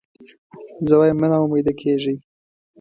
زه وایم مه نا امیده کېږی.